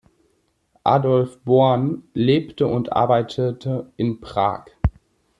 Adolf Born lebte und arbeitete in Prag.